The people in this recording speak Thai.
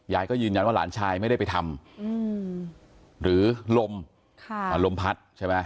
ยายก็ยืนยันว่าหลานชายไม่ได้ไปทำหรือลมลมพัดใช่ไหม